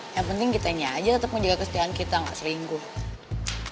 yang penting kitanya aja tetep menjaga kesetiaan kita nggak seringguh